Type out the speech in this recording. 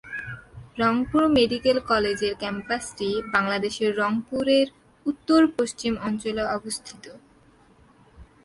Rangpur medical কলেজের ক্যাম্পাসটি বাংলাদেশের রংপুরের উত্তর-পশ্চিম অঞ্চলে অবস্থিত।